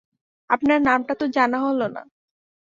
আপনার নামটা তো জানা হল না।